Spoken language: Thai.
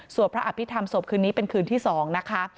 สวบพระอภิษฐรรมสวบคืนนี้เป็นคืนที่สองนะคะ